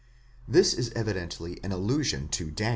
'This is evidently an allusion to Dan.